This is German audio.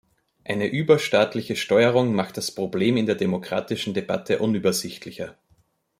Eine überstaatliche Steuerung macht das Problem in der demokratischen Debatte unübersichtlicher.